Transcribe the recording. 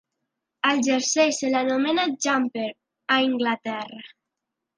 Al jersei se l'anomena "jumper" a Anglaterra.